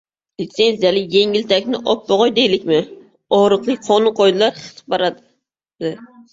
Litsenziyali «yengiltak»ni oppog‘oy deylikmi?! Og‘riqli qonun-qoidalar «xit-paradi»